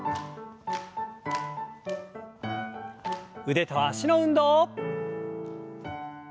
腕と脚の運動。